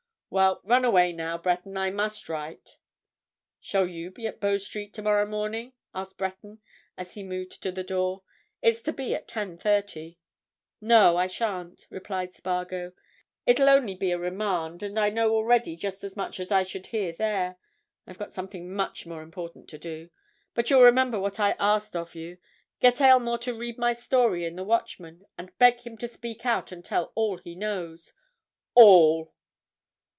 "Well, run away now, Breton—I must write." "Shall you be at Bow Street tomorrow morning?" asked Breton as he moved to the door. "It's to be at ten thirty." "No, I shan't!" replied Spargo. "It'll only be a remand, and I know already just as much as I should hear there. I've got something much more important to do. But you'll remember what I asked of you—get Aylmore to read my story in the Watchman, and beg him to speak out and tell all he knows—all!"